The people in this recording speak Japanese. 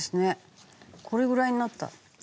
これぐらいになった。